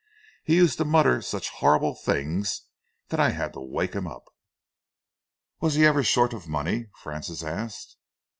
He used to mutter such horrible things that I had to wake him up." "Was he ever short of money?" Francis asked.